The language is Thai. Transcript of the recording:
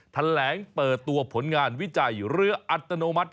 แถลงเปิดตัวผลงานวิจัยเรืออัตโนมัติ